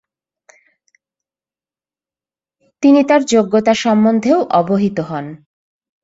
তিনি তার যোগ্যতা সম্বন্ধেও অবহিত হন।